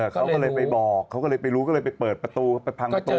เขาก็เลยไปบอกเขาก็เลยไปรู้ก็เลยไปเปิดประตูเข้าไปพังประตู